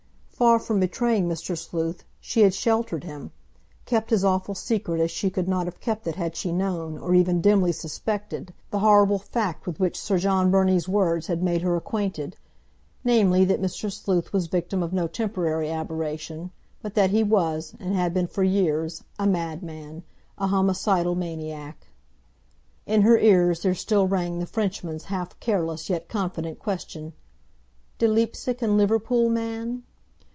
Far from betraying Mr. Sleuth, she had sheltered him—kept his awful secret as she could not have kept it had she known, or even dimly suspected, the horrible fact with which Sir John Burney's words had made her acquainted; namely, that Mr. Sleuth was victim of no temporary aberration, but that he was, and had been for years, a madman, a homicidal maniac. In her ears there still rang the Frenchman's half careless yet confident question, "De Leipsic and Liverpool man?"